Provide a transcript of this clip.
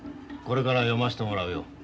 これから読ましてもらうよ。